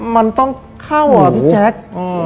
มันต้องเข้าอ่ะพี่แจ๊ค